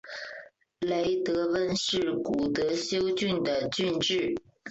雷德温是古德休郡的郡治。